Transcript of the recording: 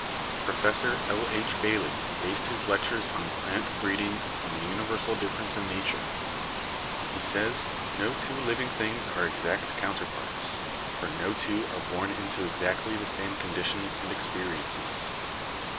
Professor L. H. Bailey based his lectures on 'Plant Breeding' on the uni versal difference in nature. He says: "No two living things are exact counterparts, for no two are born into exactly the same conditions and experiences.